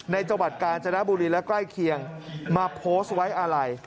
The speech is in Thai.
จังหวัดกาญจนบุรีและใกล้เคียงมาโพสต์ไว้อะไร